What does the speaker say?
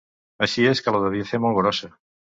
Així és que la devia fer molt grossa!